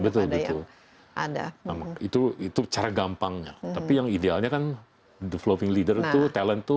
kepada yang ada itu itu cara gampangnya tapi yang idealnya kan developing leader itu talentu